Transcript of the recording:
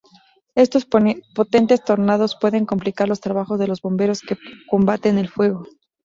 Estos potentes tornados pueden complicar los trabajos de los bomberos que combaten el fuego.